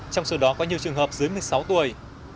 trong số đó có nhiều trường hợp dưới một mươi sáu tuổi